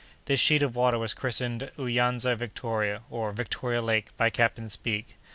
This sheet of water was christened Uyanza Victoria, or Victoria Lake, by Captain Speke.